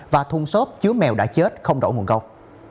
và thung xốp chứa mèo đã chết không đổ nguồn gốc